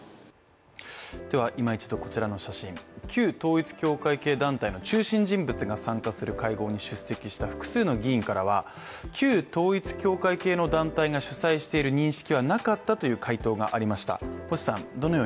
いま一度、こちらの写真旧統一教会系団体の会合に出席した複数の議員からは旧統一教会系の団体が主催している認識はなかったと回答しました。